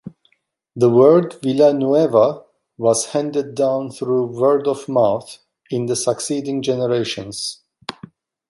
The word Villanueva was handed down through word of mouth in the succeeding generations.